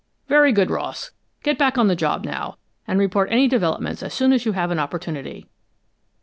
"Very good, Ross. Get back on the job, now, and report any developments as soon as you have an opportunity."